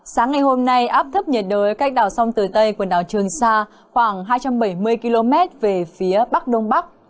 sáng ngày hôm nay áp thấp nhiệt đới cách đảo sông tử tây quần đảo trường sa khoảng hai trăm bảy mươi km về phía bắc đông bắc